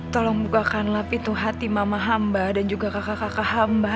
tolong bukakan lapitu hati mama hamba dan juga kakak kakak hamba